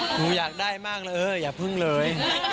หนูอยากได้มากเลยเอออย่าพึ่งเลย